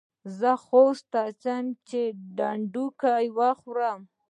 زه خوست ته ځم چي ډنډکۍ وخورم.